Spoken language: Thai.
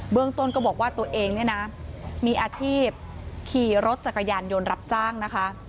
ต้นก็บอกว่าตัวเองเนี่ยนะมีอาชีพขี่รถจักรยานยนต์รับจ้างนะคะ